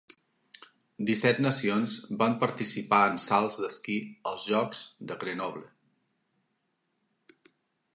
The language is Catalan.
Disset nacions van participar en salts d'esquí als Jocs de Grenoble.